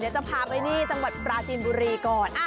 เดี๋ยวจะพาไปจังหวัดบราจีนบุรีก่อน